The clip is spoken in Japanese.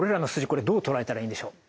これどう捉えたらいいんでしょう？